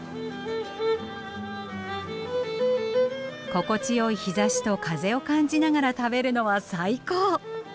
心地よい日ざしと風を感じながら食べるのは最高！